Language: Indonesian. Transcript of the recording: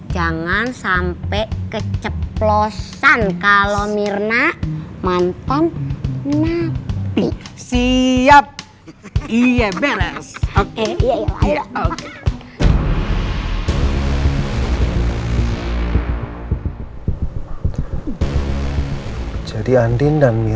jangan sampai keceplosan kalau mirna mantan napi